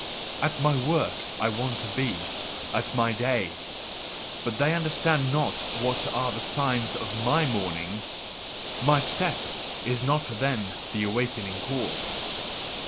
At my work I want to be, at my day: but they understand not what are the signs of my morning, my step is not for them the awakening call.